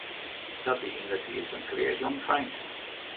Dat wie yndertiid sa'n kreas jongfeint.